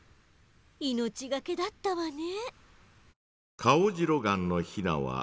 命がけだったわね。